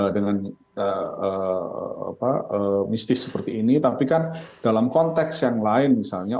dengan mistis seperti ini tapi kan dalam konteks yang lain misalnya